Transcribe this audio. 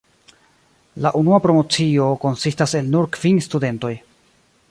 La unua promocio konsistas el nur kvin studentoj.